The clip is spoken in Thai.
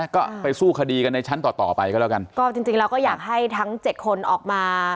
ก็ไปสู้คดีกันในชั้นต่อไปน่ะจริงเราก็อยากให้ทั้ง๗คนออกมา